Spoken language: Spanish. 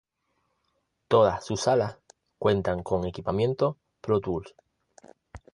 Todas sus salas cuentan con equipamiento Pro Tools.